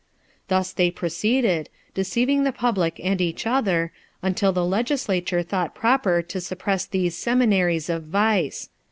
Thus they proceeded, deceiving the public and each other, until the legislature thought proper to suppress these seminaries of vice.